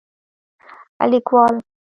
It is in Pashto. لیکوال: